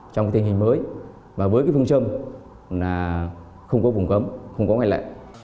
trong tình hình mới và với phương châm là không có vùng cấm không có ngoại lệ